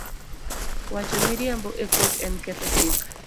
Wacho miriambo e kot en ketho chik